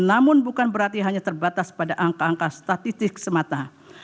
namun bukan berarti hanya terbatas pada angka angka statistik semata